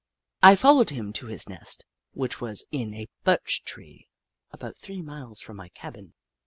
I followed him to his nest, which was in a birch tree about three miles from my cabin.